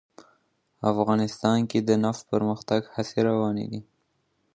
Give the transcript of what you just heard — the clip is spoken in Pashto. افغانستان کې د نفت د پرمختګ هڅې روانې دي.